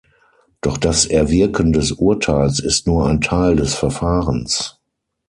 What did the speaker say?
Doch das Erwirken des Urteils ist nur ein Teil des Verfahrens.